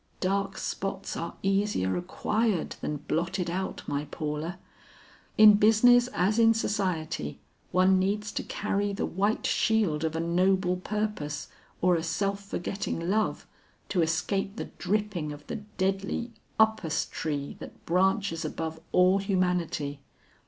Dark spots are easier acquired than blotted out, my Paula. In business as in society, one needs to carry the white shield of a noble purpose or a self forgetting love, to escape the dripping of the deadly upas tree that branches above all humanity.